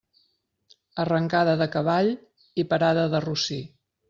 Arrancada de cavall i parada de rossí.